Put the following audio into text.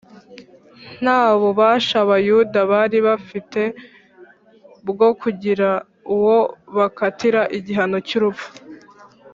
Nta bubasha Abayuda bari bafite bwo kugira uwo bakatira igihano cy’urupfu,